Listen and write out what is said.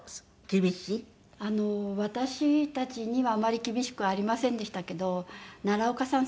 あの私たちにはあまり厳しくありませんでしたけど奈良岡さん